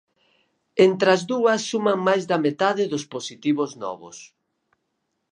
Entre as dúas suman máis da metade dos positivos novos.